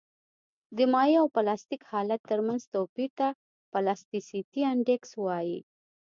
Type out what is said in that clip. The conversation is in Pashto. د مایع او پلاستیک حالت ترمنځ توپیر ته پلاستیسیتي انډیکس وایي